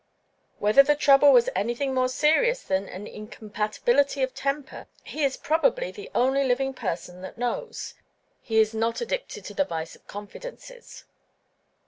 Whether the trouble was anything more serious than "incompatibility of temper," he is probably the only living person that knows: he is not addicted to the vice of confidences.